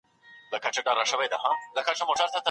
قلمي خط د تکامل په بهیر کي د انسان لویه لاسته راوړنه ده.